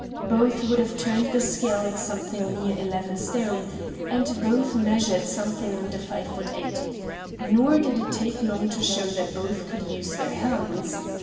Both would have turned the scale at something near eleven stone, and both measured something under five foot eight. Nor did it take long to show that both could use their hands.